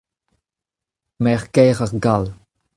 Merc'h-kaer ar Gall.